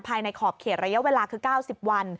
ขอบเขตระยะเวลาคือ๙๐วัน